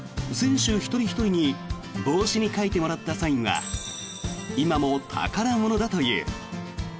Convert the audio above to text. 選手一人ひとりに帽子に書いてもらったサインは今も宝物だという。